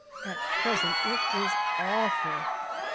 At present it is awful.